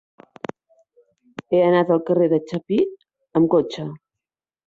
He d'anar al carrer de Chapí amb cotxe.